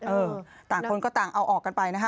เออต่างคนก็ต่างเอาออกกันไปนะฮะ